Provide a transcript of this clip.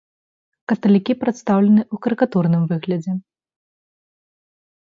Каталікі прадстаўлены ў карыкатурным выглядзе.